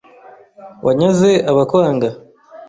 Wanyaze abakwanga